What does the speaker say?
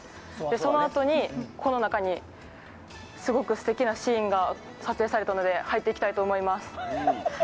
そのあと、この中ですごく素敵なシーンが撮影されたので入っていきたいと思います。